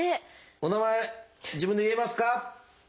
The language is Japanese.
「お名前自分で言えますか？」。